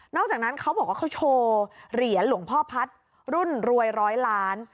อกจากนั้นเขาบอกว่าเขาโชว์เหรียญหลวงพ่อพัฒน์รุ่นรวยร้อยล้าน